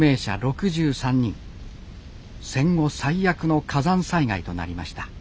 戦後最悪の火山災害となりました